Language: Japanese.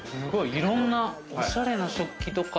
いろんなおしゃれな食器とか。